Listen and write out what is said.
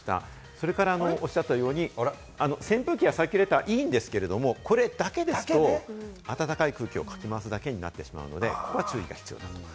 それからおっしゃったように、扇風機やサーキュレーターいいんですけれども、これだけですと、暖かい空気をかき回すだけになってしまうので、これは注意が必要だと。